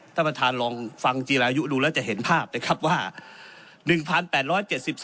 ท่านประธานลองฟังจีรายุดูแล้วจะเห็นภาพนะครับว่า